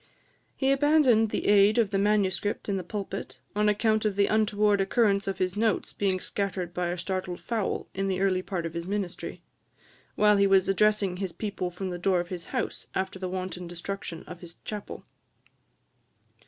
He abandoned the aid of the manuscript in the pulpit, on account of the untoward occurrence of his notes being scattered by a startled fowl, in the early part of his ministry, while he was addressing his people from the door of his house, after the wanton destruction of his chapel.